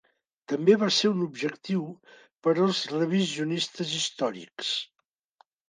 També va ser un objectiu per als revisionistes històrics.